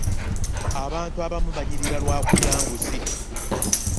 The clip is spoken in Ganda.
abantu abamu banyirira lwakulya nguzi.